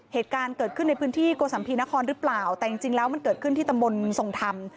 เหตุการณ์เกิดขึ้นในพื้นที่โกสัมภีนครหรือเปล่าแต่จริงแล้วมันเกิดขึ้นที่ตำบลทรงธรรม